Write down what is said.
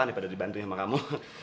daripada dibantuin sama kamu